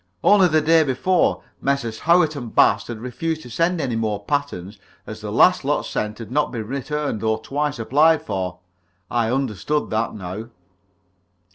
Only the day before Messrs. Howlett & Bast had refused to send any more patterns, as the last lot sent had not been returned, though twice applied for. I understood that now.